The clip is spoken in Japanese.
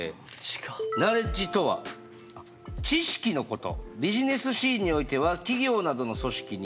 ナレッジとは知識のこと。